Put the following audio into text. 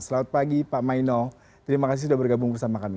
selamat pagi pak maino terima kasih sudah bergabung bersama kami